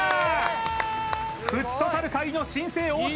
フットサル界の新星大澤